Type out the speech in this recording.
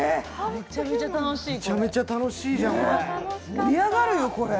めちゃめちゃ楽しいじゃん、これ。